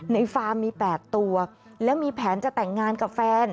ฟาร์มมี๘ตัวแล้วมีแผนจะแต่งงานกับแฟน